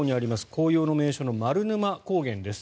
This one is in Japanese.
紅葉の名所の丸沼高原です。